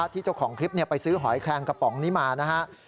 เจ้าของคลิปไปซื้อหอยแคลงกระป๋องนี้มานะครับ